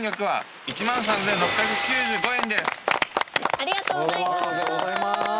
ありがとうございます。